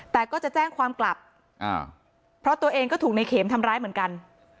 แต่ก็จะแจ้งความกลับเพราะตัวเองก็ถูกในเข็มทำร้ายเหมือนกัน